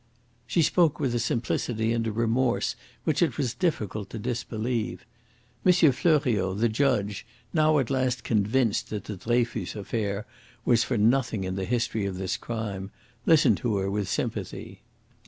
She spoke with a simplicity and a remorse which it was difficult to disbelieve. M. Fleuriot, the judge, now at last convinced that the Dreyfus affair was for nothing in the history of this crime, listened to her with sympathy.